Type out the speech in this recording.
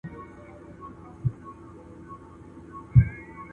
دوی خواړه، اوبه او سرپناه برابروي.